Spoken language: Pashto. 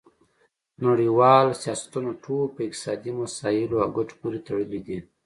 نړیوال سیاستونه ټول په اقتصادي مسایلو او ګټو پورې تړلي دي